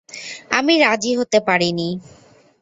আমি রাজি হতে পারি নি।